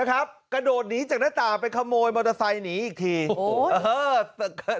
กระโดดหนีจากหน้าต่างไปขโมยมอเตอร์ไซค์หนีอีกทีโอ้โหเออ